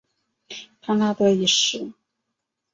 康拉德一世。